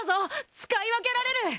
使い分けられる。